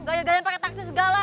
gajah gajah pake taksi segala